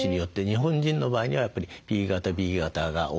日本人の場合にはやっぱりＰ型Ｂ型が多い。